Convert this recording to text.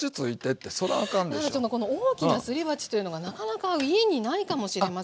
この大きなすり鉢というのがなかなか家にないかもしれませんが。